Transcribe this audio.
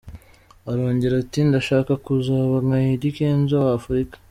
Arongera ati “Ndashaka kuzaba nka Eddy Kenzo wa Afurika.